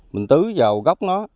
mình tứ vào gốc nó